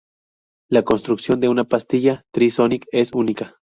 La construcción de una pastilla Tri-Sonic es única.